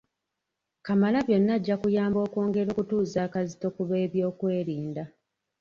Kamalabyonna ajja kuyamba okwongera okutuuza akazito ku b'ebyokwerinda